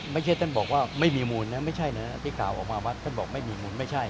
ไม่ใช่ท่านบอกว่าไม่มีมูลนะไม่ใช่นะที่กล่าวออกมาวัดท่านบอกไม่มีมูลไม่ใช่